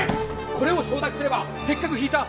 これを承諾すればせっかく引いた